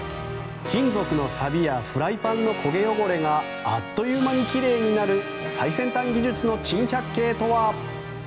金属のサビやフライパンの焦げ汚れがあっという間にきれいになる先端技術の珍百景とは。